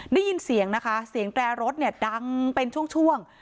ได้ยินเสียงนะคะเสียงแตรรถเนี่ยดังเป็นช่วง